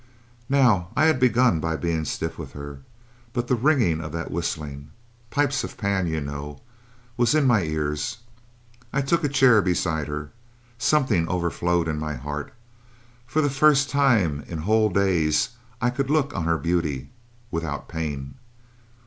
"Now, I had begun by being stiff with her, but the ringing of that whistling pipes of Pan, you know was in my ears. I took a chair beside her. Something overflowed in my heart. For the first time in whole days I could look on her beauty without pain.